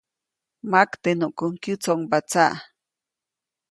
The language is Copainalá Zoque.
Maktenuʼkuŋ kyätsoʼŋba tsaʼ.